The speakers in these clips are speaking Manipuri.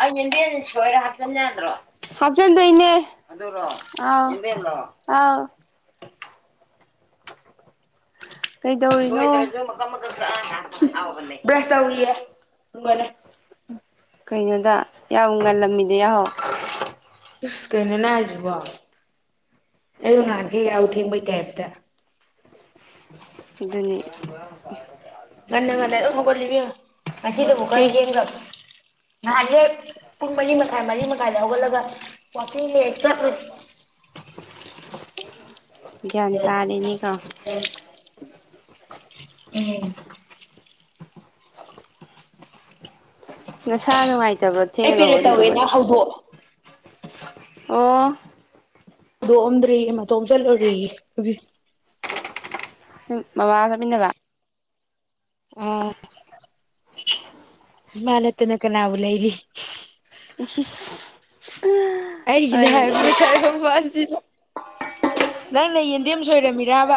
ꯑꯩ ꯌꯦꯦꯟꯗꯦꯜ ꯁꯣꯏꯔ ꯍꯥꯞꯆꯤꯟ ꯌꯥꯗ꯭ꯔꯣ ꯍꯥꯤꯟꯗꯣꯏꯅꯦ ꯀꯩꯗꯧꯔꯤꯅꯣ ꯭ꯔꯁ ꯇꯧꯔꯤꯌꯦ ꯎꯃꯅꯦ ꯀꯩꯅꯣꯗ ꯌꯥꯝ ꯉꯜꯂꯝꯃꯤꯗ ꯌꯥꯍꯧ ꯑꯁ ꯀꯩꯅꯣꯅꯦ ꯍꯥꯏꯁꯤꯕꯣ ꯑꯩꯁꯨ ꯉꯥꯟꯈꯦ ꯌꯥꯎ ꯊꯦꯡꯕꯩ ꯇꯥꯏꯞꯇ ꯑꯗꯨꯅꯤ ꯟꯟꯅꯒꯗꯒꯣꯜꯂꯤꯕꯤ ꯑꯁꯤꯁꯤ ꯂꯕꯨ ꯀ ꯀꯩ ꯊꯑꯡꯒ ꯅꯦ ꯄꯨꯡ ꯃꯔꯤ ꯃꯈꯥꯏ ꯃꯔꯤ ꯃꯈꯥꯏꯗ ꯍꯧꯒꯠꯂꯒ ꯋꯥꯋꯥꯛꯀꯤꯡ ꯆꯠꯂꯨ ꯟꯇꯥꯗꯅꯤ ꯀ ꯎꯝ ꯅꯁꯥ ꯅꯨꯡꯉꯥꯏ ꯑꯩ ꯄꯦꯔꯦ ꯇꯧꯋꯦꯅ ꯍꯧꯗꯣꯛꯑꯣ ꯑꯣ ꯑꯗꯨꯗꯣꯛꯑꯝꯗ꯭ꯔꯤ ꯃꯇꯣꯝ ꯆꯠꯂꯨꯨꯔꯔꯤ ꯕꯕꯥ ꯆꯠꯃꯤꯟꯅꯕ ꯑ ꯏꯃꯅ ꯇꯅ ꯀꯅꯎ ꯂꯩ ꯏꯂꯤ [unintelligible] ꯍꯥꯏ ꯀꯅꯦ ꯍꯣꯏ ꯍꯥꯏ ꯄ ꯆꯥꯏ ꯋꯥꯗ ꯅꯪꯅ ꯌꯦꯟꯗꯦꯝ ꯁꯣꯏꯔꯝꯃꯤꯔꯕ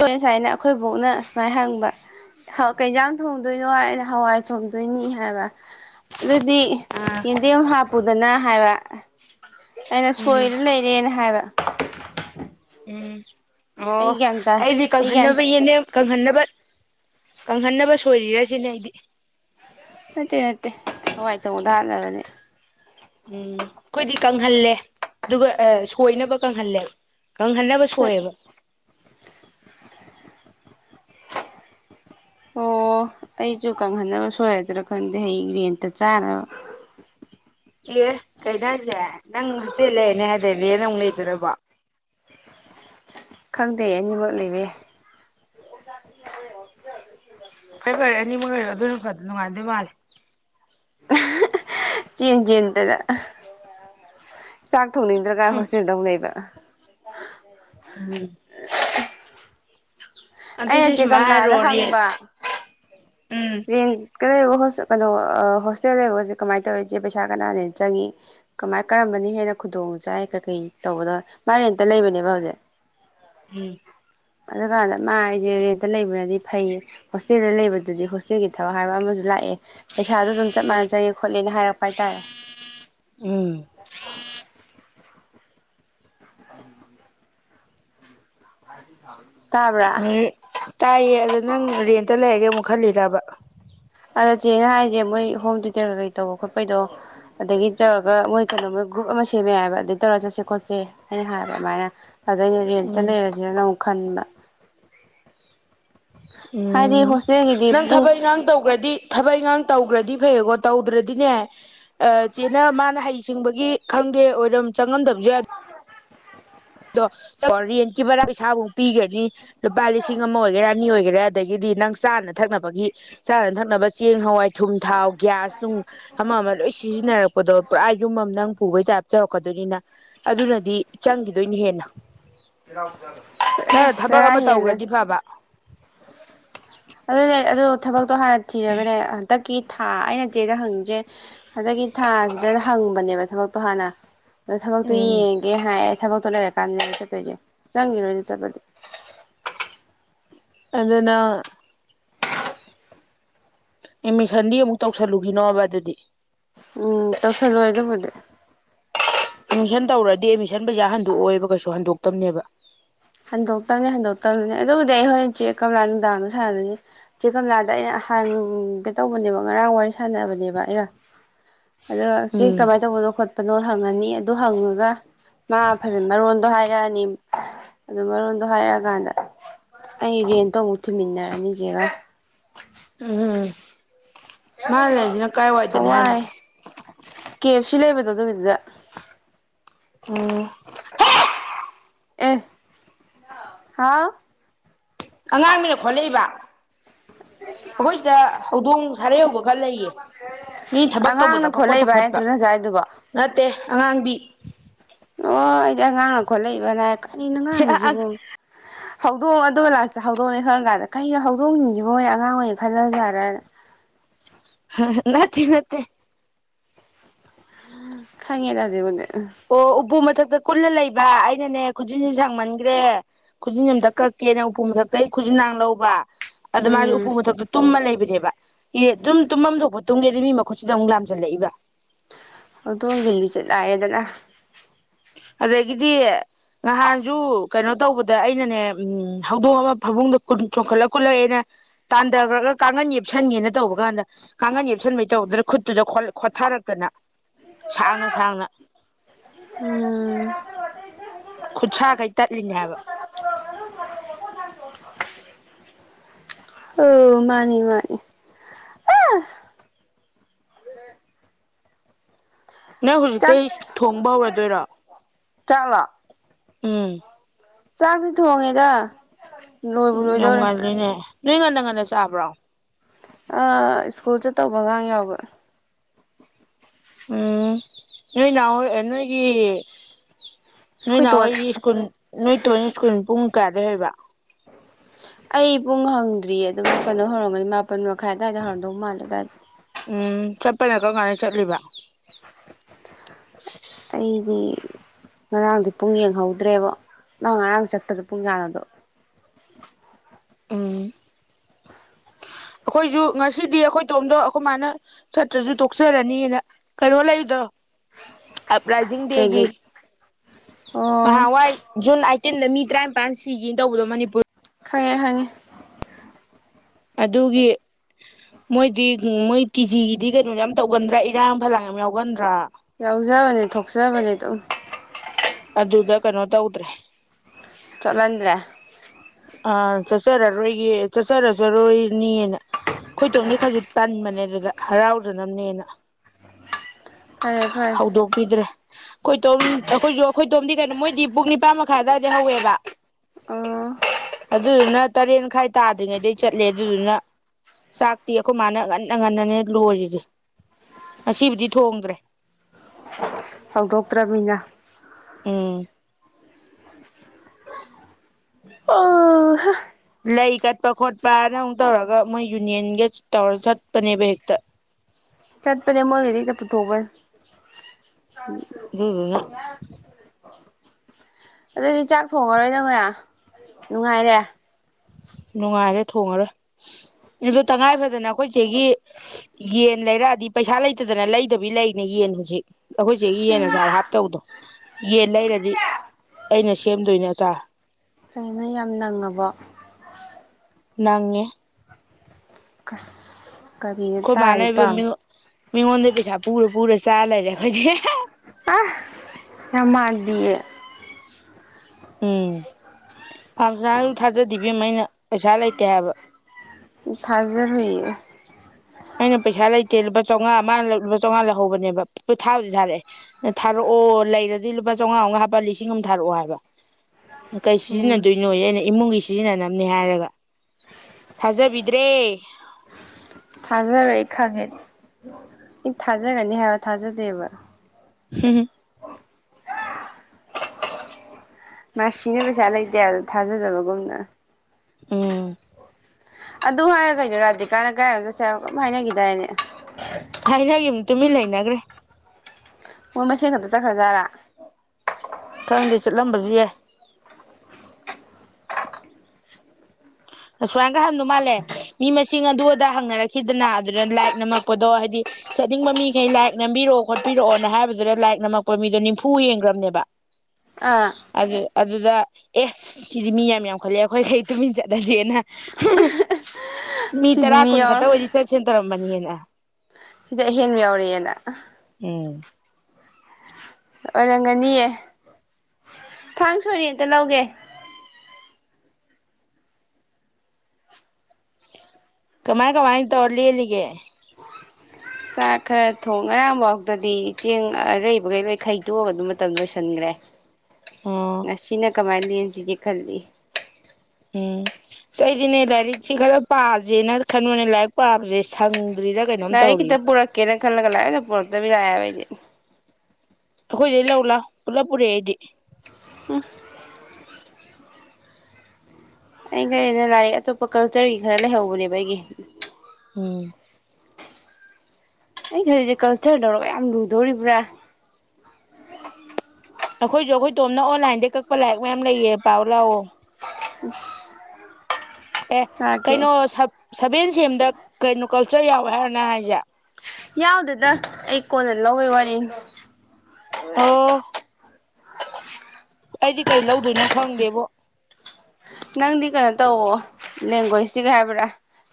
ꯣꯏ ꯉꯁꯥꯏꯅ ꯑꯩꯈꯣꯏꯕꯧꯅ ꯁꯨꯃꯥꯏꯅ ꯍꯪꯕ ꯀꯩꯖꯥꯡ ꯊꯣꯡꯗꯣꯏꯅꯣ ꯑꯩꯅ ꯍꯋꯥꯏ ꯊꯣꯡꯗꯣꯏꯅꯤ ꯍꯥꯏꯕ ꯑꯗꯨꯗꯤ ꯑꯥ ꯌꯦꯟꯗꯦꯝ ꯍꯥꯞꯄꯨꯗꯅ ꯍꯥꯏꯕ ꯑꯩꯅ ꯎꯝ ꯁꯣꯏꯔ ꯂꯩꯔꯦꯅ ꯍꯥꯏꯕ ꯎꯝ ꯑꯣ ꯑꯩ ꯒ꯭ꯌꯥꯟ ꯇꯥꯏ ꯑꯩꯗꯤ ꯀꯜ ꯑꯩ ꯒ꯭ꯌꯥꯟ ꯍꯅꯣꯕꯅꯦ ꯀꯪꯍꯟꯅꯕ ꯀꯪꯍꯟꯅꯕ ꯁꯣꯏꯔꯤꯔꯁꯤꯅꯦ ꯑꯩꯗꯤ ꯅꯠꯇꯦ ꯅꯠꯇꯦ ꯍꯋꯥꯏ ꯇꯣꯡꯗ ꯍꯥꯠꯅꯕꯅꯦ ꯎꯝ ꯑꯩꯈꯣꯏꯗꯤ ꯀꯪꯍꯜꯂꯦ ꯑꯗꯨꯒ ꯁꯣꯏꯅꯕ ꯀꯪꯍꯜꯂꯦ ꯀꯪꯍꯟꯅꯕ ꯍꯣꯏ ꯁꯣꯏꯑꯕ ꯑꯣ ꯑꯩꯁꯨ ꯀꯪꯍꯟꯅꯕ ꯁꯣꯏꯔꯗ꯭ꯔꯥ ꯈꯪꯗꯦ ꯍꯌꯦꯡ ꯔꯦꯟꯇ ꯆꯥꯅꯕ ꯑꯦ ꯀꯩꯅꯁꯦ ꯅꯪ ꯍꯣꯁꯇꯦꯜ ꯂꯩꯔꯅꯦ ꯍꯥꯏꯗꯅꯦꯦ ꯅ ꯑꯃꯨꯛ ꯂꯩꯗꯣꯏꯔꯕꯣ ꯈꯪꯗꯦ ꯑꯅꯤꯃꯛ ꯂꯩꯕ ꯐꯥꯏ ꯐꯔ ꯑꯦꯅꯤꯃꯣꯔ ꯀ ꯑꯗꯨꯅ ꯐꯅꯅꯨꯡꯉꯗ ꯃꯥ ꯆꯤꯟ ꯆꯖꯤꯗꯗ ꯆꯥꯛ ꯊꯣꯡꯅꯤꯡꯗ꯭ꯔꯒ ꯍꯨꯝ ꯍꯣꯁꯇꯦꯜ ꯇꯧꯅꯩꯕ ꯍ ꯎꯝ ꯑꯗꯨꯗꯤ ꯑꯩꯅꯆꯦ ꯁꯨꯃꯥꯏ ꯀꯝꯂꯥꯗ ꯍꯥꯏꯔꯣ ꯔꯦꯟ ꯍꯪꯕ ꯎꯝ ꯀꯩꯅꯣ ꯍꯣꯁꯇꯦꯜ ꯂꯩꯕ ꯍꯧꯖꯤꯛ ꯀꯃꯥꯏꯅ ꯇꯧꯋꯤ ꯏꯆꯦ ꯄꯩꯁꯥ ꯀꯅꯥꯅ ꯍ ꯆꯪꯉꯤ ꯀꯃꯥꯏ ꯀꯔꯝꯕꯅ ꯍꯦꯟꯅ ꯈꯨꯗꯣꯡ ꯆꯥꯏ ꯀꯩꯀꯩ ꯇꯧꯕꯅꯣ ꯃꯥ ꯔꯦꯟꯇ ꯂꯩꯕꯅꯦꯕ ꯍꯧꯖꯤꯛ ꯎꯝ ꯑꯗ ꯀꯂ ꯃꯥ ꯑꯩꯁꯦ ꯔꯦꯟꯠꯇ ꯂꯩꯕꯅꯗꯤ ꯐꯩꯌꯦ ꯍꯣꯁꯇꯦꯜꯗ ꯂꯩꯕꯗꯨꯗꯤ ꯍꯣꯁꯇꯦꯜꯒꯤ ꯊꯕꯛ ꯍꯥꯏꯕ ꯑꯃꯁꯨ ꯂꯥꯛꯑꯦ ꯄꯩꯁꯥꯗ ꯑꯗꯨꯝ ꯆꯞ ꯃꯥꯟꯅꯖꯩꯒ ꯈꯣꯠꯂꯦꯅ ꯍꯥꯏꯔꯛꯄ ꯍꯥꯏꯇꯥꯔꯦ ꯎꯝ ꯎꯝ ꯍꯥꯏꯗꯤ ꯊ ꯎ ꯇꯥꯏ ꯑ ꯅꯪ ꯔꯦꯟꯇ ꯂꯩꯔꯒꯦ ꯑꯃꯨꯛ ꯈꯜꯂꯤꯔꯕ ꯑꯗ ꯆꯦꯅ ꯍꯥꯏꯁꯦ ꯃꯣꯏ ꯍꯣꯝ ꯇ꯭ꯌꯨꯇꯔ ꯀꯩ ꯇꯧꯕ ꯈꯣꯠꯄꯩꯗꯣ ꯑꯗꯒꯤ ꯇꯧꯔꯒ ꯃꯣꯏ ꯀꯩꯅꯣꯃ ꯒ꯭ꯔꯨꯞ ꯑꯃ ꯁꯦꯝꯃꯦ ꯍꯥꯏꯕ ꯑꯗꯩ ꯇꯧꯔ ꯆꯠꯁꯦ ꯈꯣꯠꯁꯦ ꯍꯥꯏꯅ ꯍꯥꯏꯕ ꯑꯗꯨꯃꯥꯏꯅ ꯑꯗ ꯎꯝ ꯑꯦꯟꯅꯅꯦ ꯍꯥꯏꯗꯅ ꯅ ꯈꯟꯕ ꯍꯥꯏꯗꯤ ꯎꯝ ꯍꯣꯁꯇꯦꯜꯒꯤꯗꯤ ꯅꯪ ꯄꯨꯡ ꯊꯕꯛ ꯏꯉꯥꯡ ꯇꯧꯈ꯭ꯔꯗꯤ ꯊꯕꯛ ꯏꯉꯥꯡ ꯇꯧꯈ꯭ꯔꯗꯤ ꯐꯩꯌꯦꯀꯣ ꯇꯧꯗ꯭ꯔꯗꯤꯅꯦ ꯆꯦꯅ ꯃꯥꯅ ꯍꯩ ꯁꯤꯡꯕꯒꯤ ꯈꯪꯗꯦ ꯑꯣꯏꯔꯝ ꯆꯪꯉꯝꯗꯕꯁꯨ ꯌꯥ ꯑꯗꯣ ꯔꯦꯟꯀꯤ ꯔꯥ ꯄꯩꯁꯥꯕꯨꯨꯛ ꯄꯤꯒꯅꯤ ꯂꯨꯄꯥ ꯂꯤꯁꯤꯡ ꯑꯃ ꯑꯣꯏꯒꯦꯔꯥ ꯑꯅꯤ ꯑꯣꯏꯒꯦꯔꯥ ꯑꯗꯒꯤꯗꯤ ꯅꯪ ꯆꯥꯅ ꯊꯛꯅꯕꯒꯤ ꯆꯥꯅ ꯊꯛꯅꯕ ꯆꯦꯡ ꯍꯋꯥꯏ ꯊꯨꯝ ꯊꯥꯎ ꯒ꯭ꯌꯥꯁ ꯅꯨꯡ ꯑꯃ ꯑꯃ ꯂꯣꯏ ꯁꯤꯖꯤꯟꯅꯔꯛꯄꯗꯣ ꯄꯨꯔꯥ ꯌꯨꯝ ꯑꯃꯝ ꯅꯪ ꯄꯨꯕꯒꯤ ꯇꯥꯏꯞ ꯇꯧꯔꯛꯀꯗꯣꯏꯅꯤꯅ ꯑꯗꯨꯅꯗꯤ ꯆꯪ ꯑꯗꯨꯅ ꯍꯦꯟꯅ ꯅꯪꯅ ꯊꯕꯛ ꯆꯔꯥ ꯑꯃ ꯍꯦꯜꯂ ꯇꯧꯈ꯭ꯔꯗꯤ ꯐꯕ ꯑꯗꯨꯅꯦ ꯑꯗꯨ ꯊꯕꯛꯇꯣ ꯍꯥꯟꯅ ꯊꯤꯔꯒꯅꯦ ꯍꯟꯇꯛ ꯤ ꯊꯥ ꯑꯩꯅ ꯆꯦꯗ ꯍꯪꯁꯦ ꯑꯟꯛꯗꯒꯤ ꯊꯥꯁꯤꯗ ꯍꯪꯕꯅꯦꯕ ꯊꯕꯛꯄ ꯍꯥꯟꯅ ꯑꯗ ꯊꯕꯛꯇꯨ ꯎꯝ ꯌꯦꯡꯒꯦ ꯍꯥꯏꯦ ꯊꯕꯣꯂ ꯑꯦꯀꯝꯅꯤꯦ ꯆꯪ ꯏꯔꯣꯗꯤ ꯆꯄꯗꯤ ꯑꯗꯨꯅ ꯑꯦꯠꯃꯤꯁꯟꯗꯤ ꯑꯃꯨꯛ ꯇꯧꯁꯜꯂꯨꯈꯤꯅꯣꯕ ꯑꯗꯨꯗꯤ ꯎꯝ ꯑ ꯐꯂ ꯍꯥꯏꯒ ꯃ ꯑꯦꯗꯃꯤꯁꯟ ꯇꯧꯔꯗꯤ ꯑꯦꯗꯃꯤꯁꯟ ꯄꯩꯁꯥ ꯍꯟꯗꯣꯛꯑꯣꯕ ꯀꯩꯁꯨ ꯍꯟꯗꯣꯛꯇꯕꯅꯦꯕ ꯍꯟꯗꯣꯛꯇꯕꯅꯤ ꯍꯟꯗꯣꯛꯇꯕꯅꯤꯅꯦ ꯑꯗꯨꯕꯨꯗꯤ ꯑꯩ ꯍꯣꯏꯅ ꯆꯦꯛ ꯀꯪꯂꯥ ꯅꯨꯡꯗꯥꯡꯗ ꯁꯥꯟꯅꯅꯕꯅꯦ ꯆꯦꯛ ꯀꯪꯂꯥꯗ ꯑꯩꯅ ꯍꯍꯥꯡꯒꯩ ꯇꯧꯕꯅꯦꯕ ꯉꯔꯥꯡ ꯋꯥꯔꯤ ꯁꯥꯟꯅꯕꯅꯦꯕ ꯑꯩꯒ ꯑꯗꯣ ꯁꯤꯦ ꯎꯝ ꯀꯃꯥꯏꯅ ꯇꯧꯕꯅꯣ ꯈꯣꯠꯄꯅꯣ ꯂꯣꯏ ꯍꯪꯉꯅꯤ ꯑꯗꯨ ꯍꯪꯉꯒ ꯃꯥ ꯐꯖꯦ ꯃꯔꯑꯣꯗ ꯍꯥꯏ ꯕꯤꯔꯌꯥꯅꯤ ꯑꯗꯣ ꯃꯔꯣꯟꯗꯣ ꯍꯥꯏꯔꯛꯑꯀꯥꯟꯗ ꯑꯩ ꯔꯦꯟꯇꯣ ꯑꯃꯨꯛ ꯊꯤꯃꯤꯟꯅꯔꯅꯤꯁꯦꯒ ꯑꯥ ꯃꯥ ꯂꯩꯁꯤꯅ ꯀꯥꯏ ꯋꯥꯏꯗꯅꯤ ꯍꯥꯏꯅꯣ ꯁꯤꯤꯂꯕꯗ ꯑꯗꯨ ꯏꯗꯗ ꯎꯝ ꯑꯦ ꯍꯥꯎ ꯑꯉꯥꯡꯅꯤꯅ ꯈꯣꯠꯂꯛꯏꯕ ꯑꯩꯈꯣꯏ ꯁꯤꯗ ꯍꯧꯗꯣꯡ ꯍꯔꯦ ꯂꯩꯌꯦ ꯃꯤ ꯊꯕꯛ ꯑꯉꯥꯡꯅ ꯇꯧꯕꯗꯕ ꯈꯣꯠꯄ ꯈꯣꯠꯂꯛꯏꯕ ꯍꯥꯏ ꯈꯣꯠꯄ ꯅꯠꯇ꯭ꯔꯣ ꯅꯪ ꯆꯥꯏꯗꯨꯕꯣ ꯅꯠꯇꯦ ꯑꯉꯥꯡꯕꯤ ꯍ ꯑꯣ ꯑꯩꯗꯤ ꯑꯉꯥꯡꯅ ꯈꯣꯠꯂꯛꯏꯕꯅꯦ ꯀꯅꯤꯅ ꯉꯥꯏ ꯍꯥꯏꯁꯤꯕꯣ ꯍꯧꯗꯣꯡ ꯑꯗꯨꯒ ꯂꯥꯛꯁꯦ ꯍꯧꯗꯣꯡꯅꯦ ꯈꯪ ꯀꯥꯟꯗ ꯀꯩꯅꯣ ꯍꯧꯗꯣꯡꯁꯤꯡꯁꯤ ꯃꯣꯏ ꯑꯉꯥꯡꯍꯩ ꯈꯜꯂꯖꯥꯔꯅ ꯑ ꯅꯅꯥꯠꯇꯦ ꯅꯠꯇꯦ ꯎ ꯈꯪꯉꯦ ꯇꯖꯦꯒꯣꯟꯦ ꯑꯣ ꯎꯕꯨ ꯃꯊꯛ ꯀꯨꯜꯂ ꯂꯩꯕ ꯑꯩꯅꯅꯦ ꯈꯨꯖꯤꯟꯁꯦ ꯁꯥꯡꯃꯟꯈ꯭ꯔꯦ ꯈꯨꯖꯤꯟ ꯑꯝꯇ ꯀꯛꯀꯦꯅ ꯎꯄꯨ ꯃꯊꯛꯇ ꯑꯩ ꯈꯨꯖꯤꯟꯅꯥꯥꯡ ꯂꯧꯕ ꯑꯗ ꯃꯥꯒꯤ ꯎꯄꯨ ꯎꯝ ꯃꯊꯛꯇ ꯇꯨꯝꯃ ꯂꯩꯕꯅꯤ ꯕ ꯏ ꯑꯗꯨꯝ ꯇꯨꯝꯃꯝ ꯊꯣꯛꯄ ꯇꯨꯝꯒꯦ ꯑꯗꯨ ꯃꯤ ꯃꯈꯨꯠꯁꯤꯗ ꯑꯃꯨꯛ ꯂꯥꯝꯁꯤꯜꯂꯛꯏꯕ ꯑꯗ ꯜꯂꯤ ꯆꯦꯂꯑꯗꯅ ꯑꯗꯒꯤꯗꯤ ꯅꯍꯥꯟꯁꯨ ꯀꯩꯅꯣ ꯇꯧꯕꯗ ꯑꯩꯅꯅꯦ ꯎꯝ ꯍꯧꯗꯣꯡ ꯑꯃ ꯐꯃꯨꯡꯗ ꯆꯣꯡꯈꯠꯂ ꯀꯨꯠꯂ ꯑꯩꯅ ꯇꯥꯟꯊꯈ꯭ꯔꯒ ꯀꯥꯡꯒꯟ ꯌꯦꯦꯞꯁꯟꯒꯦꯅ ꯇꯧꯕ ꯀꯥꯟꯗ ꯀꯥꯡꯒꯟ ꯌꯦꯞꯁꯟꯕꯩ ꯇꯧꯗ꯭ꯔ ꯈꯨꯠꯇꯨꯗ ꯈꯣꯠꯊꯥꯔꯛꯇꯅ ꯁꯥꯡꯅ ꯁꯥꯡꯅ ꯎꯝ ꯈꯨꯠꯁꯥꯈꯩ ꯇꯠꯂꯤꯅꯦ ꯍꯥꯏꯕ ꯑꯣ ꯃꯥꯅꯤ ꯃꯥꯅꯤ ꯑ ꯅꯪ ꯍꯧꯖꯤꯛꯇꯤ ꯆꯥꯛ ꯊꯣꯡꯕ ꯍꯧꯔꯗꯣꯏꯔꯣ ꯆꯂ ꯎꯝ ꯆꯥꯛꯗꯤ ꯊꯣꯡꯉꯦꯗ ꯂꯣꯏꯕꯨ ꯂꯣꯏꯗꯧꯔꯦ ꯌꯣꯡꯉꯂꯤꯅꯦ ꯅꯏ ꯈꯟꯇ ꯈꯟ ꯆꯥꯕ꯭ꯔꯣ ꯑ ꯁ꯭ꯀꯨꯜꯁꯦ ꯇꯧꯕ ꯑꯉꯥꯡ ꯌꯥꯎꯕ ꯎꯝ ꯅꯣꯏ ꯅꯅꯥ ꯅꯣꯏꯒꯤ ꯅꯣꯏ ꯑꯩꯈꯣꯏ ꯇꯣꯟ ꯅꯍꯍꯣꯏꯒꯤ ꯁꯀꯨꯜ ꯅꯣꯏ ꯇꯨ ꯁ꯭ꯀꯨꯜ ꯄꯨꯡ ꯀꯌꯥꯗꯩ ꯍꯕ ꯑꯩ ꯄꯨꯡ ꯍꯪꯗ꯭ꯔꯤ ꯑꯗꯨꯝ ꯀꯩꯅꯣ ꯍꯧꯔꯝꯒꯅꯤ ꯃꯥꯄꯜ ꯃꯈꯥꯏ ꯑꯋꯥꯏꯗ ꯍꯧꯔꯝꯗꯧ ꯃꯥꯜꯂꯗꯥ ꯎꯝ ꯆꯠꯄꯅꯦ ꯀꯔꯝ ꯀꯥꯟꯅ ꯆꯠꯂꯤꯕ ꯑꯩꯗꯤ ꯉꯔꯥꯡꯗꯤ ꯄꯨꯡ ꯌꯦꯡꯍꯧꯗ꯭ꯔꯦꯕ ꯅꯥꯡ ꯉꯔꯥꯡ ꯆꯠꯄꯗ ꯄꯨꯡ ꯀꯌꯥꯣꯗꯣ ꯎꯝ ꯑꯩꯈꯣꯏꯁꯨ ꯉꯁꯤꯗꯤ ꯑꯩꯈꯣꯏꯇꯣꯝꯗꯣ ꯑꯩꯈꯣꯏ ꯃꯥꯅ ꯆꯠꯇ꯭ꯔꯁꯨ ꯇꯣꯛꯆꯔꯅꯤꯅ ꯀꯩꯅꯣ ꯂꯩꯔꯤꯗ꯭ꯔꯣ ꯑꯞꯔꯥꯏꯖꯤꯡ ꯀꯩ ꯗꯦꯒꯤ ꯑꯣ ꯅꯍꯥꯟꯋꯥꯏ ꯖꯨꯟ ꯇꯤꯟꯗ ꯃꯤ ꯇꯔꯥꯅꯤꯄꯥꯟ ꯁꯤꯒꯅꯤ ꯇꯧꯕꯗꯣ ꯃꯅꯤꯄꯨꯔ ꯈꯪꯉꯦ ꯈꯪꯉꯦ ꯑꯗꯨꯒꯤ ꯃꯣꯏꯗꯤ ꯃꯣꯏ ꯀꯤꯖꯤꯒꯤꯗꯤ ꯀꯩꯅꯣꯁ ꯌꯥꯝ ꯇꯧꯒꯟꯗ꯭ꯔꯥ ꯏꯔꯥꯡ ꯐꯂꯥꯡ ꯌꯥꯝ ꯌꯥꯎꯒꯟꯗ꯭ꯔꯥ ꯌꯥꯎꯖꯕꯅꯦ ꯊꯣꯛꯆꯕꯅꯦ ꯑꯗꯨꯝ ꯑꯗꯨꯗ ꯀꯩꯅꯣ ꯇꯧꯗ꯭ꯔꯦ ꯆꯠꯍꯟꯗ꯭ꯔꯦ ꯑ ꯆꯠꯆꯔꯔꯣꯏꯒ ꯆꯠꯆꯔ ꯆꯔꯣꯏꯅꯤꯅ ꯑꯩꯣꯏꯇꯣꯝꯗꯤ ꯈꯔꯁꯨ ꯇꯟꯕꯅꯦ ꯑꯗꯨꯗ ꯍꯔꯥꯎꯖꯅꯕꯅꯦꯅ ꯐꯔꯦ ꯐꯔꯦ ꯍꯧꯗꯣꯛꯄꯤꯗ꯭ꯔꯦ ꯑꯩꯈꯣꯏ ꯇꯧ ꯑꯩꯈꯣꯏꯁꯨ ꯑꯩꯈꯣꯏ ꯑꯗꯣꯝꯗꯤ ꯀꯩꯅꯣ ꯃꯣꯏꯗꯤ ꯄꯨꯡ ꯅꯤꯄꯥꯟ ꯃꯈꯥꯗꯗꯤ ꯍꯧꯋꯦꯕ ꯑꯣ ꯑꯗꯨ ꯅ ꯇꯔꯦꯟ ꯃꯈꯥꯏ ꯇꯥꯗ꯭ꯔꯤꯉꯩꯗꯩ ꯆꯠꯂꯦ ꯑꯗꯨꯗꯨꯅ ꯆꯥꯛꯇꯤ ꯑꯩꯈꯣꯏ ꯃꯥꯅ ꯉꯟꯅ ꯉꯟꯅꯅꯦ ꯂꯣꯏꯔꯤꯁꯦ ꯉꯁꯤꯕꯨꯗꯤ ꯊꯣꯡꯗ꯭ꯔꯦ ꯍꯧꯗꯣꯛꯇ꯭ꯔꯃꯤꯅ ꯎꯝ ꯑꯍ ꯂꯩ ꯀꯠꯄ ꯈꯣꯠꯄꯅ ꯑꯃꯨꯛ ꯇꯧꯔꯒ ꯃꯣꯏ ꯌꯨꯅꯤꯌꯟꯒ ꯇꯧꯔ ꯆꯠꯄꯅꯦꯕ ꯍꯦꯛꯇ ꯇꯠꯄꯅꯦ ꯃꯒꯗꯤꯇ ꯄꯨꯊꯣꯕ ꯍ ꯉ ꯑꯗꯨꯗꯤ ꯆꯥꯛ ꯊꯣꯡꯉꯔꯣꯏ ꯅꯪꯅꯦ ꯅꯨꯡꯉꯥꯏꯔꯦ ꯅꯨꯡꯉꯥꯏꯔꯦ ꯊꯣꯡꯉꯔꯣꯏ ꯑꯗꯨ ꯇꯉꯥꯏ ꯐꯗꯅ ꯑꯩꯈꯣꯏꯁꯤꯦꯒꯤ ꯌꯦꯟ ꯂꯩꯔꯛꯑꯗꯤ ꯄꯩꯁꯥ ꯂꯩꯇꯗꯅ ꯂꯩꯗꯕꯤ ꯂꯩꯅꯦ ꯌꯦꯟ ꯍꯧꯖꯤꯛ ꯑꯩꯈꯣꯏꯁꯤꯦꯒꯤ ꯌꯦꯟ ꯑꯆꯥꯔ ꯍꯥꯞꯇꯧꯗꯣ ꯌꯦꯟ ꯂꯩꯔꯗꯤ ꯑꯩꯅ ꯁꯦꯝꯗꯣꯏꯅꯦ ꯑꯆꯥꯔ ꯅꯣꯏ ꯌꯥꯝ ꯅꯪꯉꯕ ꯅꯪꯦ ꯀ ꯀꯔꯤ ꯇꯥꯏ ꯄꯥꯎ ꯃꯤ ꯑꯣꯟꯗ ꯄꯩꯁꯥ ꯄꯨꯔꯣ ꯄ ꯄꯨꯔꯥ ꯆꯥꯂꯥꯏꯔ ꯈꯣꯏ ꯑ ꯌꯥꯝ ꯃꯥꯗꯤꯑꯦ ꯎꯝ ꯐꯥꯝꯁꯤꯅꯥ ꯑꯗꯨꯝ ꯊꯥꯖꯗꯕꯤꯦꯝꯃꯩꯅ ꯄꯩꯁꯥ ꯂꯩꯇꯦ ꯍꯥꯏꯕ ꯍꯖꯔ ꯍꯌꯦ ꯑꯩꯅ ꯄꯩꯁꯥ ꯂꯩꯇꯦ ꯂꯨꯄꯥ ꯆꯥꯝꯃꯉꯥ ꯑꯃ ꯂꯨꯄꯥ ꯆꯥꯝꯃꯉꯥ ꯂꯧꯍꯧꯕꯅꯦꯕ ꯄ ꯊꯥꯕꯨꯗꯤ ꯊꯥꯔꯛꯑꯦ ꯊꯥꯔꯛꯑꯣ ꯂꯩꯔꯗꯤ ꯂꯨꯄꯥ ꯆꯥꯝꯃꯉꯥ ꯑꯃꯛ ꯍꯥꯞꯄ ꯂꯤꯁꯤꯡ ꯑꯃ ꯊꯥꯔꯛꯑꯣ ꯍꯥꯏꯕ ꯀꯩ ꯎꯝ ꯁꯤꯖꯤꯟꯅꯗꯣꯏꯅꯣ ꯑꯩꯅ ꯏꯃꯨꯡꯒꯤ ꯁꯤꯖꯤꯟꯅꯅꯕꯅꯦ ꯍꯥꯏꯔꯒ ꯊꯥꯖꯕꯤꯗ꯭ꯔꯦ ꯊꯥꯖꯔ ꯑꯩ ꯈꯥꯒꯦ ꯑꯩ ꯊꯥꯖꯒꯅꯤ ꯍꯥꯏꯕ ꯊꯥꯖꯗꯦꯕ ꯍꯝ ꯃꯁꯤꯁꯤꯅ ꯄꯩꯁꯥ ꯂꯩꯇꯦꯗ ꯊꯥꯖꯗꯕꯒꯨꯝꯅ ꯎꯝ ꯑꯗꯨ ꯍꯥꯏꯔꯒꯩꯅꯣ ꯔꯥꯙꯤꯀꯥꯅ ꯀ ꯍꯥꯏꯅꯒꯗꯑꯅꯦ ꯍꯥꯏꯥꯏꯅ ꯀꯝ ꯇꯨꯃꯤꯟ ꯂꯩꯅꯈ꯭ꯔꯦ ꯃꯣꯏ ꯃꯁꯦꯟ ꯈꯛꯇ ꯆꯠꯈ꯭ꯔꯖꯥꯠꯔ ꯈꯪꯗꯦ ꯆꯠꯂꯝꯕꯁꯨ ꯌꯥꯏ ꯑ ꯁꯨꯃꯥꯏꯅ ꯈ ꯍꯟꯗꯧ ꯃꯥꯜꯂꯦ ꯃꯤ ꯃꯁꯤꯡ ꯑꯗꯨ ꯑꯗ ꯍꯪꯅꯔꯛꯈꯤꯗꯅ ꯑꯗꯨꯅ ꯂꯥꯏꯔꯤꯛ ꯅꯝꯃꯛꯄꯗꯣ ꯍꯥꯏꯗꯤ ꯆꯠꯅꯤꯡꯕ ꯃꯤꯈꯩ ꯂꯥꯏꯔꯤꯛ ꯅꯝꯕꯤꯔꯛꯑꯣ ꯈꯣꯠꯄꯤꯔꯛꯑꯣꯅ ꯍꯥꯏꯕꯗꯨꯗ ꯂꯥꯏꯔꯤꯛ ꯅꯝꯃꯛꯄ ꯃꯤꯗꯣ ꯅꯤꯝꯐꯨ ꯌꯦꯡꯈ꯭ꯔꯕꯅꯦꯕ ꯑꯥ ꯑꯗꯨ ꯑꯗꯨꯗ ꯑꯦꯁ ꯁꯤꯗꯤ ꯃꯤ ꯌꯥꯝ ꯌꯥꯝꯈꯠꯂꯦ ꯑꯩꯈꯣꯏ ꯂꯩ ꯇꯨꯃꯤꯟ ꯆꯠ ꯗꯗꯤꯅ ꯃꯤ ꯇꯔꯥ ꯀꯨꯟ ꯈꯛꯇ ꯑꯣꯏꯗꯤ ꯆꯠ ꯁꯦꯟ ꯇꯧꯔꯝꯕꯅꯤꯅ ꯁꯤꯗꯤ ꯑꯍꯦꯟ ꯌꯥꯎꯔꯛꯑꯦꯅ ꯎꯝ ꯑꯣꯏꯔꯝꯒꯅꯤꯌꯦ ꯊꯥꯡ ꯁꯣꯏꯔꯦ ꯑꯝꯛꯇ ꯂꯧꯒꯦ ꯀꯃꯥꯏ ꯀꯃꯥꯏ ꯇꯣꯔꯂꯤ ꯌꯦꯅꯤꯒ ꯆꯥꯛ ꯈꯔ ꯊꯣꯡ ꯉꯔꯥꯡꯐꯥꯎꯗꯗꯤ ꯆꯦꯡ ꯑꯔꯩꯕꯈꯩ ꯂꯣꯏ ꯈꯩꯗꯣꯛꯑꯒ ꯑꯗꯨꯝ ꯃꯇꯝ ꯂꯣꯏꯁꯤꯟꯈ꯭ꯔꯦ ꯑꯣ ꯅꯁꯤꯅ ꯀꯃꯥꯏ ꯗꯤ ꯈꯜ ꯎꯝ ꯁꯤ ꯑꯩꯗꯤꯅꯦ ꯂꯥꯏꯔꯤꯛꯁꯦ ꯈꯔ ꯄꯥꯁꯦꯅ ꯈꯟꯕꯅꯦ ꯂꯥꯏꯔꯤꯛ ꯄꯥꯕꯁꯦ ꯁꯪ ꯂꯅꯤ ꯀꯇ ꯄꯨꯔꯛꯀ ꯔ ꯈꯟ ꯂꯒꯪꯂꯗ ꯄꯨꯔꯗ ꯂꯗꯤ ꯑꯩꯈꯣꯏꯗꯒꯤꯩ ꯂꯧꯂ ꯄꯨꯂꯞ ꯄꯨꯔꯛꯑꯦꯗꯤ ꯎ ꯑꯩ ꯀꯩꯅ ꯂꯥꯏꯔꯤꯛ ꯑꯇꯣꯞꯄ ꯀꯜꯆꯔꯒꯤ ꯈꯔ ꯂꯩꯍꯧꯕꯅꯦꯕ ꯑꯩꯒꯤ ꯎꯝ ꯑꯩ ꯈꯖꯤꯗꯤ ꯀꯜꯆꯔꯗꯧꯔꯒ ꯌꯥꯝ ꯂꯨꯗꯣꯔꯤꯕ꯭ꯔꯥ ꯑꯩꯈꯣꯏꯁꯨ ꯑꯩꯈꯣꯏ ꯇꯣꯝꯅ ꯑꯣꯟꯂꯥꯏꯟꯗꯩ ꯀꯛꯄ ꯂꯥꯏꯔꯤꯛ ꯃꯌꯥꯝ ꯂꯩꯌꯦ ꯄꯥꯎ ꯂꯥꯛꯑꯣ ꯎ ꯑꯦ ꯀꯩꯅꯣ ꯁꯚꯦꯟ ꯁꯦꯝ ꯑꯦꯝꯗ ꯀꯩꯅꯣ ꯀꯜꯆꯔ ꯌꯥꯎꯋꯦ ꯍꯥꯏꯔꯅ ꯍꯥꯏꯁꯦ ꯌꯥꯎꯗꯗ ꯑꯩ ꯀꯣꯟꯅ ꯂꯧꯋꯦ ꯋꯥꯔꯤꯅꯤ ꯑꯣ ꯑꯩꯗꯤ ꯀꯩ ꯂꯧꯗꯣꯏꯅꯣ ꯈꯪꯗꯦꯕꯣ ꯅꯪꯗꯤ ꯀꯩꯅꯣ ꯇꯧꯑꯣ ꯂꯦꯡꯒ꯭ꯣꯏꯦꯖꯁꯤꯒ ꯍꯥꯏꯕ꯭ꯔꯥ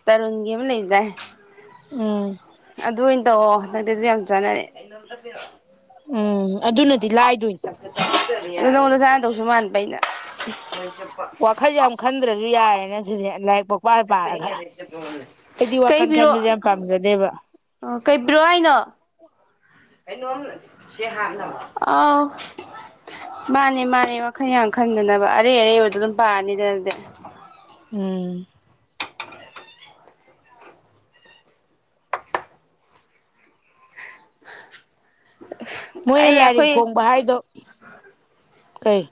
ꯇꯔꯨꯟꯒꯤ ꯑꯃ ꯂꯩꯕꯗꯏ ꯎꯝ ꯑꯗꯨ ꯑꯣꯏꯅ ꯇꯧꯔꯑꯣ ꯍꯟꯗꯛꯇꯤ ꯑꯗꯨ ꯌꯥꯝ ꯆꯥꯅꯔꯦ ꯎꯝ ꯑꯗꯨꯅꯗꯤ ꯂꯥꯏꯗꯣꯏ ꯇꯧꯁꯨ ꯃꯥꯟꯕ ꯑꯩꯅ ꯋꯥꯈꯜꯁꯨ ꯌꯥꯝ ꯈꯟꯗ꯭ꯔꯁꯨ ꯌꯥꯏ ꯂꯩ ꯑꯩꯗꯤ ꯋꯥꯈꯜ ꯀꯩꯕꯤꯔꯣ ꯈꯟꯕꯁꯦ ꯌꯥꯝ ꯄꯥꯝꯖꯗꯦꯕ ꯀꯩꯕꯤꯔꯣ ꯍꯥꯏꯅꯣ ꯩꯅ ꯑꯥꯎ ꯃꯥꯅꯦ ꯃꯥꯅꯦ ꯋꯥꯈꯜ ꯌꯥꯝ ꯈꯟꯗꯅꯕ ꯑꯔꯩ ꯑꯔꯩꯕꯗ ꯑꯗꯨꯝ ꯄꯥꯔꯅꯤꯗꯅꯗꯤ ꯎꯝ ꯃꯣꯏꯅ ꯑꯩ ꯂꯥꯏꯔꯤꯛ ꯑꯩꯈꯣꯏ ꯐꯣꯡꯕ ꯍꯥꯏꯗꯣ ꯀꯩ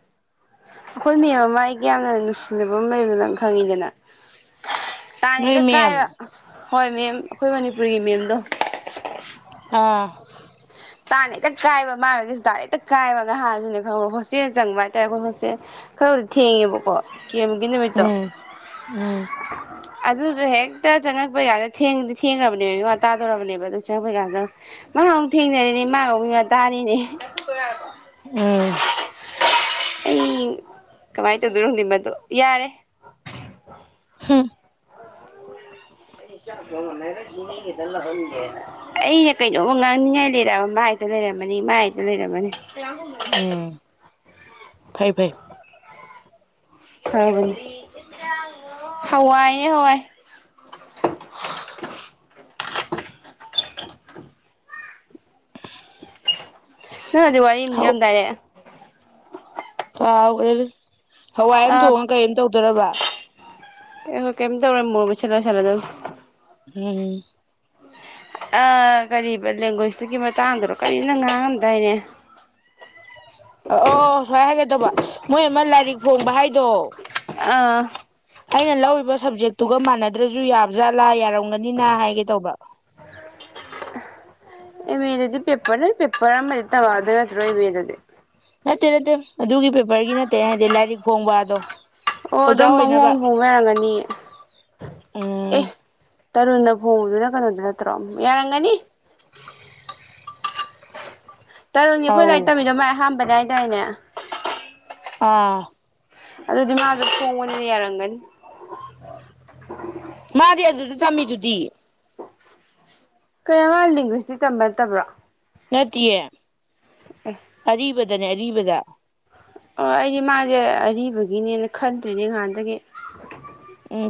ꯑꯩꯈꯣꯏ ꯃꯦꯝ ꯑꯃ ꯑꯩꯒ ꯌꯥꯝꯅ ꯅꯨꯡꯁꯤꯅꯕ ꯃꯌꯥꯝꯗ ꯅꯪ ꯈꯪꯉꯤꯗꯅ ꯅꯣꯏ ꯇꯥꯅꯤꯗ ꯀꯥꯏꯕ ꯃꯦꯝ ꯍꯣꯏ ꯃꯦꯝ ꯑꯩꯈꯣꯏ ꯃꯅꯤꯄꯨꯔꯒꯤ ꯃꯦꯝꯗꯣ ꯑꯥ ꯇꯥꯅ ꯍꯦꯛꯇ ꯀꯥꯏꯕ ꯃꯥꯉꯒꯤꯁꯨ ꯇꯥꯅ ꯍꯦꯛꯇ ꯀꯥꯏꯕ ꯉꯥꯏꯍꯥꯁꯨꯅꯦ ꯈꯪꯕꯔꯣ ꯍꯣꯁꯇꯦꯜ ꯆꯪꯕ ꯍꯥꯏꯇꯥꯔꯦ ꯑꯩꯈꯣꯏ ꯍꯣꯁꯇꯦꯜ ꯈꯔꯕꯨꯗꯤ ꯊꯦꯡꯉꯦꯕꯀꯣ ꯀꯦꯝꯒꯤ ꯅꯨꯃꯤꯠꯇ ꯎꯝ ꯎꯝ ꯑꯗꯨꯁꯨ ꯍꯦꯛꯇ ꯆꯪꯉꯛꯄ ꯌꯥꯗꯗꯤ ꯊꯦꯡꯈ꯭ꯔꯕꯅꯦꯕ ꯃꯤ ꯋꯥ ꯇꯥꯗꯧꯔꯕꯅꯦꯕ ꯑꯗꯨ ꯆꯪꯉꯛꯄ ꯀꯗ ꯃꯥ ꯊꯦꯡꯅꯔꯤꯅꯦ ꯃꯥ ꯉꯧꯕꯤ ꯋꯥ ꯇꯥꯔꯤꯅꯦ ꯎꯝ ꯑꯩ ꯀꯃꯥꯏꯅ ꯇꯧꯗꯣꯏꯅꯣ ꯍꯨꯗꯤꯡꯕꯗꯣ ꯌꯥꯔꯦ ꯍꯝ ꯑꯩꯅ ꯀꯩꯅꯣꯃ ꯉꯥꯡꯅꯤꯡꯉꯥꯏ ꯂꯩꯔꯛꯑ ꯃꯥ ꯍꯦꯛꯇ ꯂꯩꯔꯝꯃꯅꯤ ꯃꯥ ꯍꯦꯛꯇ ꯂꯩꯔꯝꯃꯅꯤ ꯎꯝ ꯐꯩ ꯐꯩ ꯍ ꯍꯋꯥ ꯍꯋꯥꯏ [unintelligible] ꯑ ꯑꯗꯨ ꯍꯧ ꯋꯥꯔꯤꯅꯤꯔꯝꯗꯥꯔꯦ ꯑꯣꯏꯒꯔ ꯍꯋꯥꯏ ꯑꯃ ꯊꯣꯡꯉꯒ ꯀꯔꯤꯝ ꯇꯧꯗꯕ ꯀ ꯇꯧꯔꯂꯁꯂꯗ ꯎꯝ ꯑ ꯀ ꯂꯦꯡꯒ꯭ꯋꯦꯁꯇꯨꯒꯤ ꯃꯇꯥꯡꯗꯨꯔꯣ ꯀꯔꯤꯅ ꯉꯥꯡꯉꯝꯗꯥꯏꯅꯦ ꯑꯣ ꯁꯥꯏ ꯍꯥꯏꯒꯦ ꯇꯕꯥ ꯃꯣꯏ ꯂꯥꯏꯔꯤꯛ ꯐꯣꯡꯕ ꯍꯥꯏꯗꯣ ꯑꯥ ꯑꯩꯅ ꯂꯧꯔꯤꯕ ꯁꯕꯖꯦꯛꯇꯨꯒ ꯃꯥꯟꯅꯗ꯭ꯔꯁꯨ ꯌꯥꯕꯖꯥꯠꯂꯥꯔꯕ ꯍꯪꯒꯅꯤꯅ ꯍꯥꯏꯒꯦ ꯇꯧꯕ ꯏꯃꯤꯗꯗꯤ ꯄꯦꯄꯔ ꯄꯦꯄꯔ ꯃ ꯇꯗ ꯌꯥ꯭ꯔꯣ ꯏꯃꯤꯗꯗꯤ ꯅꯠꯇꯦ ꯅꯠꯇꯦ ꯑꯗꯨꯒꯤ ꯄꯦꯄꯔꯒꯤ ꯅꯠꯇꯦ ꯍꯥꯏꯗꯤ ꯂꯥꯏꯔꯤꯛ ꯐꯣꯡꯕꯗꯣ ꯑꯣ ꯑꯣꯖꯥ ꯑꯗꯨꯝ ꯑꯣꯏꯅꯕ ꯄꯪꯍꯣꯡ ꯍꯣꯡꯅꯔꯝꯒꯅꯤ ꯎꯝ ꯑꯦ ꯇꯔꯨꯟꯅ ꯐꯣꯡꯕꯗꯨꯅ ꯀꯩꯅꯣꯗꯨꯅ [unintelligible] ꯇꯔꯨꯅꯤ ꯑꯩꯈꯣꯏ ꯑꯧ ꯂꯥꯏꯔꯤ ꯇꯝꯃꯤꯗꯣ ꯃ ꯑꯍꯥꯟꯕꯅꯦ ꯀꯥꯏꯅꯦ ꯑꯥ ꯑꯗꯨꯗꯤ ꯃꯥꯒ ꯐꯣꯡꯕꯅꯤꯅ ꯌꯥꯔꯝ ꯒꯅꯤ ꯃꯥꯗꯤ ꯑꯗꯨꯗ ꯇꯝꯃꯤꯗꯨꯗꯤ ꯀꯌꯥ ꯃꯥ ꯂꯤꯡꯒꯨꯢꯁ꯭ꯇꯤꯛ ꯇꯝꯕ ꯅꯠꯇꯕ꯭ꯔꯣ ꯅꯠꯇꯤꯌꯦ ꯑꯦ ꯑꯔꯤꯕꯗꯅꯦ ꯔꯤ ꯕꯗ ꯑꯣ ꯑꯩꯗꯤ ꯃꯥꯁꯦ ꯑꯔꯤꯕꯒꯤꯅꯦꯅ ꯈꯟꯂꯨꯏꯅꯦ ꯉꯍꯥꯟꯗꯒꯤ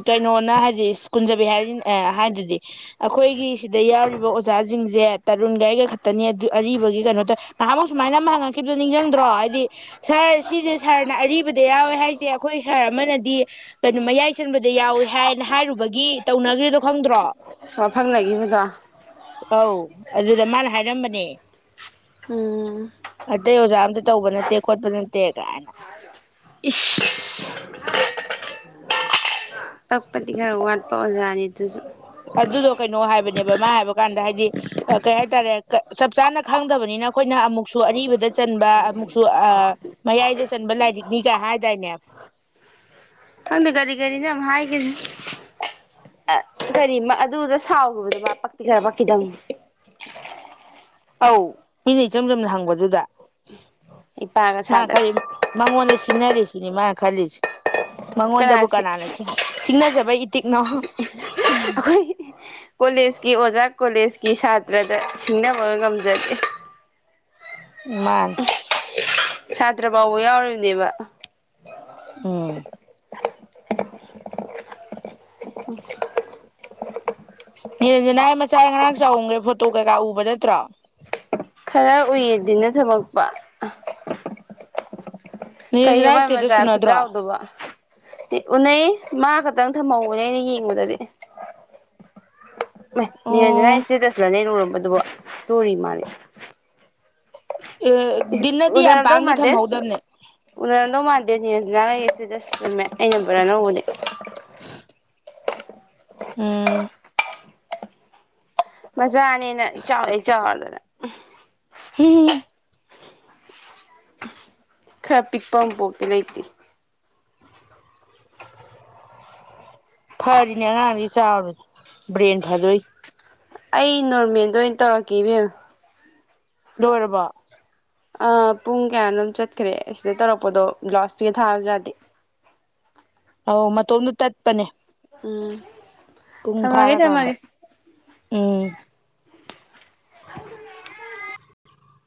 ꯀꯩꯅꯣꯅ ꯍꯥꯏꯗꯤ ꯁ ꯀꯨꯟꯖꯕꯤ ꯍꯥꯏꯔꯤ ꯍꯥꯏꯗꯨꯗꯤ ꯑꯩꯈꯣꯏꯒꯤ ꯁꯤꯗ ꯌꯥꯎꯔꯤꯕ ꯑꯣꯖꯥꯁꯤꯡꯁꯦ ꯇꯔꯨꯟꯒ ꯈꯛꯇꯅꯤ ꯑꯗꯨ ꯑꯔꯤꯕꯒꯤ ꯀꯩꯅꯣ ꯇ ꯉꯍꯥꯃꯨꯛ ꯁꯨꯃꯥꯏꯅ ꯑꯃ ꯍꯪꯉꯛꯈꯤꯕꯗꯣ ꯅꯤꯡꯁꯤꯡꯗ꯭ꯔꯣ ꯍꯥꯏꯗꯤ ꯁꯥꯔ ꯁꯤꯁꯦ ꯁꯥꯔꯅ ꯑꯔꯤꯕꯗ ꯌꯥꯎꯋꯦ ꯍꯥꯏꯁꯦ ꯑꯩꯈꯣꯏ ꯁꯥꯔ ꯑꯃꯅꯗꯤ ꯑꯗꯨ ꯃꯌꯥꯏ ꯆꯟꯕꯗ ꯌꯥꯎꯏꯤ ꯀ ꯍꯥꯏꯅ ꯍꯥꯏꯔꯨꯕꯒꯤ ꯇꯧꯅꯈ꯭ꯔꯤꯗꯣ ꯈꯪꯗ꯭ꯔꯣ ꯋꯥꯐꯪ ꯂꯩꯈꯤꯕꯗꯣ ꯑꯧ ꯑꯗꯨꯗ ꯃꯥꯅ ꯍꯥꯏꯔꯝꯕꯅꯦ ꯎꯝ ꯑꯇꯩ ꯑꯣꯖꯥ ꯑꯝꯇ ꯇꯧꯕ ꯅꯠꯇꯦ ꯈꯣꯠꯄ ꯅꯠꯇꯦ ꯇꯦ ꯀꯥꯏꯅ ꯀꯛꯄꯗꯤ ꯈꯔ ꯋꯥꯠꯄ ꯑꯣꯖꯥꯅꯤ ꯑꯗꯨꯁꯨ ꯑꯗꯨꯗꯣ ꯀꯩꯅꯣ ꯍꯥꯏꯕꯅꯦꯕ ꯃꯥ ꯍꯥꯏꯕ ꯀꯥꯟꯗ ꯍꯥꯏꯗꯤ ꯀꯩ ꯍꯥꯏꯇꯥꯔꯦ ꯆꯞ ꯆꯥꯅ ꯈꯪꯗꯕꯅꯤꯅ ꯑꯩꯈꯣꯏꯅ ꯑꯃꯨꯛꯁꯨ ꯑꯔꯤꯕꯗ ꯆꯟꯕ ꯑꯃꯨꯛꯁꯨ ꯑ ꯃꯌꯥꯏꯗ ꯆꯟꯕ ꯂꯥꯏꯔꯤꯛꯅꯤꯒ ꯍꯥꯏ ꯇꯏꯅꯦ ꯈꯪꯗꯦ ꯀꯔꯤ ꯀꯔꯤꯅ ꯌꯥꯝ ꯍꯥꯏꯒꯅꯤ ꯀꯔꯤ ꯑꯗꯨꯗ ꯁꯥꯎꯈꯤꯕꯗꯕ ꯄꯛꯇꯤ ꯈꯔ ꯄꯛꯈꯤꯗꯪ ꯑꯧ ꯃꯤꯅ ꯏꯆꯝ ꯆꯝꯅ ꯍꯪꯕꯗꯨꯗ ꯏꯄꯥꯒ ꯃꯥ ꯁꯥꯗꯅ ꯈꯔꯤ ꯃꯉ ꯃꯅꯦꯁꯤ ꯆꯁꯤꯡꯤꯡꯅꯔꯤꯁꯤꯅꯤ ꯃꯥ ꯈꯂꯤꯁ ꯃꯉꯣꯟꯗꯕꯨ ꯀꯅꯥꯁꯤ ꯀꯅꯥꯅꯁꯤꯡ ꯁꯤꯡꯅꯖꯕꯩ ꯏꯇꯤꯛꯅꯣ ꯑꯩꯈꯣꯏ ꯤ ꯁꯥꯇ꯭ꯔꯗ ꯁꯤꯡꯅꯕ ꯉꯝꯖꯗꯦ ꯃꯥ ꯁꯥꯇ꯭ꯔ ꯐꯥꯎꯕ ꯌꯥꯎꯔꯤꯕꯅꯦꯕ ꯑꯣ ꯌꯦꯟꯁꯤꯅ ꯑꯩ ꯃꯆꯥ ꯉꯔꯥꯡ ꯆꯍꯝꯒꯦ ꯐꯣꯇꯣ ꯀꯩꯀꯥ ꯎꯕ ꯅꯠꯇ꯭ꯔꯥ ꯈꯔ ꯎꯏꯌꯦꯗꯤꯅ ꯊꯕꯛꯄ ꯅꯤꯔꯟꯖꯅꯥ ꯀꯩꯃꯥꯏ ꯃꯆꯥ ꯏꯁꯇꯦꯇꯁ ꯎꯅꯗ꯭ꯔꯣ ꯈꯨꯆꯥꯎꯗꯕ ꯎꯅꯩ ꯃꯥ ꯈꯛꯇꯪ ꯊꯝꯍꯧꯕꯅꯦ ꯑꯩꯅ ꯌꯦꯡꯕꯗꯗꯤ ꯖꯅ ꯑꯣ ꯏꯁꯇꯦꯇꯁ ꯂꯅꯦꯔꯝꯕ ꯁꯇꯣꯔꯤ ꯃꯥꯦ ꯑ ꯎꯅꯔꯝꯗꯣꯧ ꯃꯥꯗꯦ ꯎꯅꯔꯝꯗꯣ ꯃꯥꯗꯦ ꯑꯗꯨꯅꯦ ꯂꯒꯦꯁꯤ ꯆꯃꯦ ꯑꯩꯅ ꯕꯣꯔꯥ ꯅꯧꯕꯅꯦ ꯑ ꯃꯖꯥ ꯑꯅꯤꯅ ꯆ ꯆꯥꯗꯅ ꯍꯝ ꯈꯔ ꯄꯤꯛ ꯄꯝꯄꯣꯛꯀ ꯂꯩꯇ ꯐꯔꯤꯅꯦꯉ ꯆꯥ ꯕ꯭ꯔꯦꯟ ꯐꯗꯏ ꯑꯩ ꯅꯣꯔꯃꯦꯜꯗ ꯑꯣꯏꯅ ꯇꯧꯔꯛꯀꯦꯕꯦꯝ ꯂꯣꯏꯔꯕꯣ ꯑ ꯄꯨꯡ ꯀꯌꯥꯅꯣꯝ ꯆꯠꯈ꯭ꯔꯦ ꯑꯁꯤꯗ ꯇꯧꯔꯛꯄꯗꯣ ꯒ꯭ꯂꯣꯁ ꯄꯤꯒ ꯊꯥꯕꯖꯥꯗꯦ ꯑꯧ ꯃꯇꯣꯝꯗꯨ ꯇꯠꯄꯅꯦ ꯎꯝ ꯄꯨꯡ ꯊꯝꯃꯒꯦ ꯐꯥꯔꯀꯥꯟꯗ ꯊꯝꯃꯒꯦ ꯎꯝ